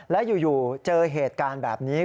แล้วอยู่เจอเหตุการณ์แบบนี้